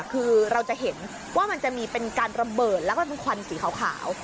คือเราจะเห็นว่ามันจะมีเป็นการระเบิดแล้วก็เป็นควันสีขาว